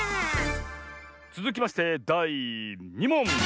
つづきましてだい２もん！